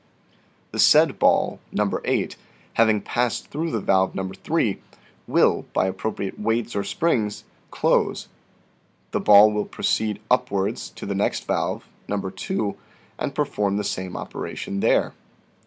The said ball (No. 8) having passed through the valve Fig. 13. No. 3, will, by appropriate weights or springs, close ; the ball will proceed upwards to the next valve (No. 2), and perform the same operation there.